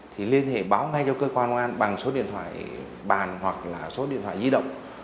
thì liên hệ báo ngay cho cơ quan công an bằng số điện thoại bàn hoặc là số điện thoại di động